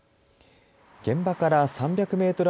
現場から３００メートル